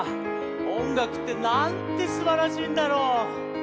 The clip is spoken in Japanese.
おんがくってなんてすばらしいんだろう」。